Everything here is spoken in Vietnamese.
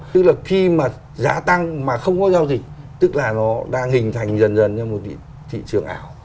tức là khi mà giá tăng mà không có giao dịch tức là nó đang hình thành dần dần ra một thị trường ảo